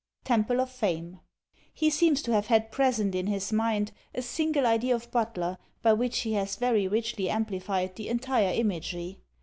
_) Temple of Fame. he seems to have had present in his mind a single idea of Butler, by which he has very richly amplified the entire imagery.